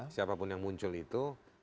siapapun yang muncul itu